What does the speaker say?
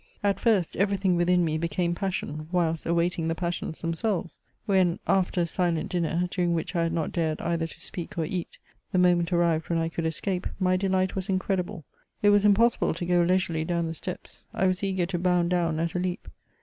At first, everything within me became passion, whilst awaiting the passions themselves. When, after a silent dinner, during which I had not dared dther to speak or eat, the moment arrived when I could escape, my delight was incredible ; it was impossible to go leisurely down the steps ; I was eager to bound down at a lei^.